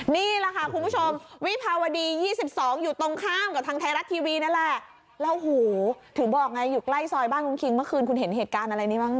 นี่แหละค่ะคุณผู้ชมวิภาวดี๒๒อยู่ตรงข้ามกับทางไทยรัฐทีวีนั่นแหละแล้วหูถึงบอกไงอยู่ใกล้ซอยบ้านคุณคิงเมื่อคืนคุณเห็นเหตุการณ์อะไรนี้บ้าง